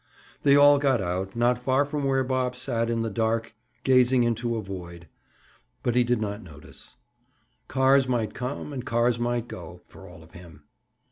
They all got out, not far from where Bob sat in the dark gazing into a void, but he did not notice. Cars might come, and cars might go, for all of him.